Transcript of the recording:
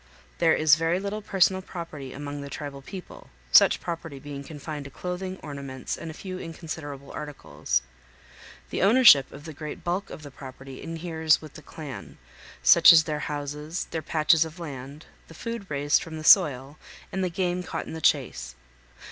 There is very little personal property among the tribal people, such property being confined to clothing, ornaments, and a few inconsiderable articles. The ownership of the great bulk of the property inheres in the clan, such as their 358 CANYONS OF THE COLORADO. houses, their patches of land, the food raised from the soil, and the game caught in the chase.